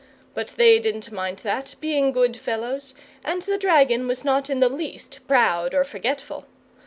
But they didn't mind that, being good fellows, and the dragon was not in the least proud or forgetful.